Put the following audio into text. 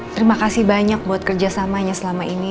terima kasih banyak buat kerjasamanya selama ini